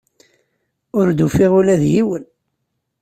Ur d-ufiɣ ula d yiwen.